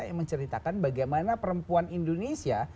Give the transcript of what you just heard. yang menceritakan bagaimana perempuan indonesia